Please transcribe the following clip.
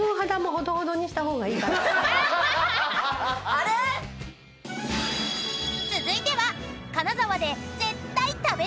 あれっ⁉［続いては］